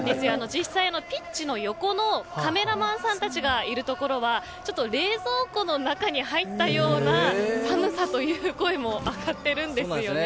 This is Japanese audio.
実際のピッチの横のカメラマンさんたちがいるところはちょっと冷蔵庫の中に入ったような寒さという声も上がっているんですよね。